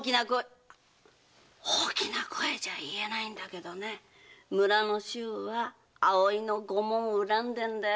大きな声じゃ言えないけどね村の衆は“葵の御紋”を恨んでるよ。